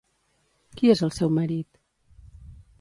Qui és el seu marit?